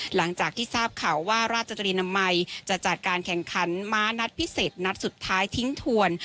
หลังจากที่ทราบข่าวว่าราชตรีนามัยจะจัดการแข่งขันม้านัดพิเศษนัดสุดท้ายทิ้งถวน